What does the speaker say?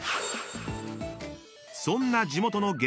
［そんな地元の］